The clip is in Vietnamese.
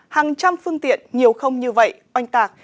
hàng trăm phương tiện nhiều không như vậy oanh tạc